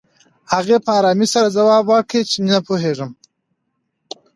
هغې په ارامۍ سره ځواب ورکړ چې نه پوهېږم